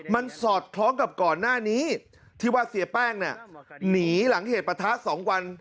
มันสอดคล้องกับก่อนหน้านี้ที่ว่าเสียแป้งเนี่ยหนีหลังเหตุประทะ๒วัน